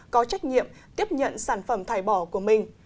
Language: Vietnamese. có trách nhiệm tiếp nhận sản phẩm thải bỏ của mình